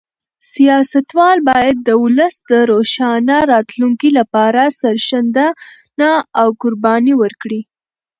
سیاستوال باید د ولس د روښانه راتلونکي لپاره سرښندنه او قرباني ورکړي.